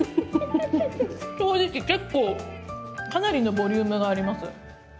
正直結構かなりのボリュームがあります。